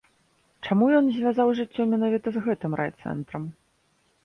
Чаму ён звязаў жыццё менавіта з гэтым райцэнтрам?